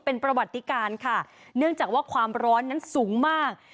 เป็นประวัติการค่ะเนื่องจากว่าความร้อนนั้นสูงมาก